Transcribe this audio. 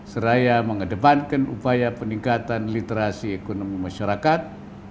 seraya mengedepankan upaya peningkatan literasi ekonomi masyarakat